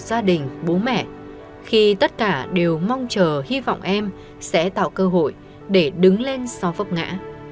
gia đình bố mẹ khi tất cả đều mong chờ hy vọng em sẽ tạo cơ hội để đứng lên sau vấp ngã